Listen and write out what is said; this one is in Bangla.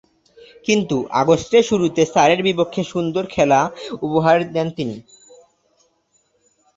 কিন্তু, আগস্টের শুরুতে সারের বিপক্ষে সুন্দর খেলা উপহার দেন তিনি।